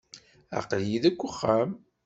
Aql-iyi deg uxxam.